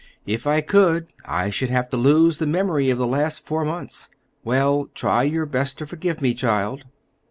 "If I could, I should have to lose the memory of the last four months. Well, try your best to forgive me, child."